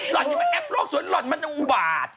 หล่อนอย่างนี้มันแอบโลกสวนหล่อนมันจะหูวาด